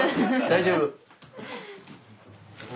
大丈夫。